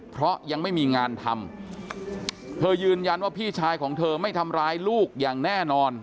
เพราะยังไม่มีงานทำเธอยืนยันว่าพี่ชายของเธอไม่ทำร้ายลูกอย่างแน่นอน